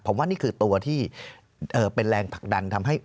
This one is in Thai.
ผมว่านี่คือตัวที่เป็นแรงผลักดันทำให้